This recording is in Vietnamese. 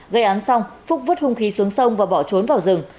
gây án xong phúc vứt hung khí xuống sông và bỏ trốn vào rừng